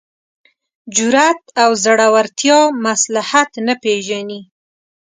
جرات او زړورتیا مصلحت نه پېژني.